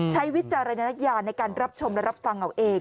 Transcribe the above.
วิจารณญาณในการรับชมและรับฟังเอาเอง